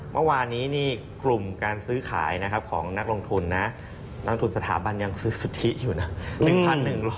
เมื่อวานี้กลุ่มการซื้อขายของนักลงทุนนักลงทุนสถาบันยังซื้อสุดที่อยู่นะ